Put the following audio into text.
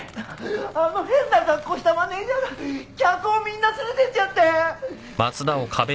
あの変な格好したマネージャーが客をみんな連れてっちゃって。